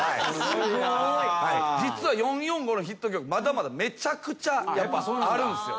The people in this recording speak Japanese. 実は４・４・５のヒット曲まだまだめちゃくちゃあるんすよ。